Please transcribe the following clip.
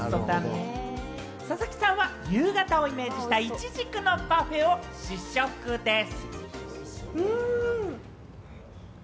佐々木さんは夕方をイメージしたイチジクのパフェを試食です。